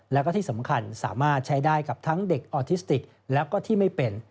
แล้วก็ที่สำคัญสามารถใช้ได้กับทั้งเด็กออทิสติกแล้วก็ที่ไม่เป็น